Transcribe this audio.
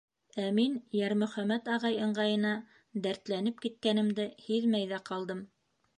Ә мин Йәрмөхәмәт ағай ыңғайына дәртләнеп киткәнемде һиҙмәй ҙә ҡалдым.